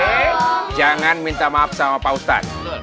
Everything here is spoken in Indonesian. oke jangan minta maaf sama pak ustaz